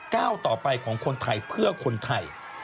ก้าวต่อไปของคนไทยเพื่อคนไทย